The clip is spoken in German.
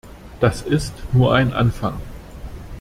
Das ist nur ein Anfang.